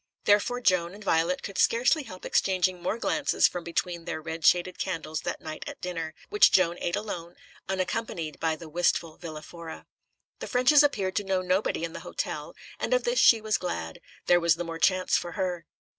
Therefore Joan and Violet could scarcely help exchanging more glances from between their red shaded candles that night at dinner, which Joan ate alone, unaccompanied by the wistful Villa Fora. The Ffrenches appeared to know nobody in the hotel, and of this she was glad. There was the more chance for her.